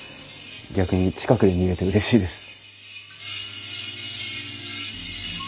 逆に近くで見れてうれしいです。